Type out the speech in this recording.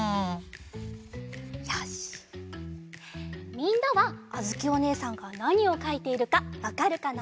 みんなはあづきおねえさんがなにをかいているかわかるかな？